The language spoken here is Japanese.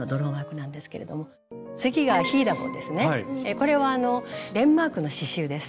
これはデンマークの刺しゅうです。